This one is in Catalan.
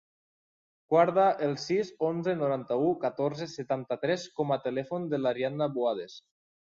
Guarda el sis, onze, noranta-u, catorze, setanta-tres com a telèfon de l'Ariana Buades.